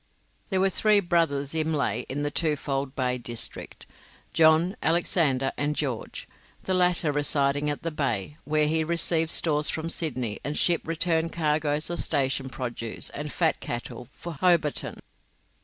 There were three brothers Imlay in the Twofold Bay district John, Alexander, and George the latter residing at the Bay, where he received stores from Sydney, and shipped return cargoes of station produce and fat cattle for Hobarton.